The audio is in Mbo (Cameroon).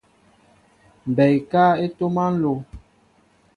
Mɓɛɛ ekáá e ntoma nló.